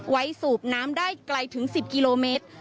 สูบน้ำได้ไกลถึง๑๐กิโลเมตร